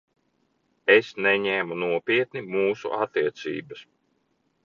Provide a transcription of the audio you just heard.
Es neņēmu nopietni mūsu attiecības.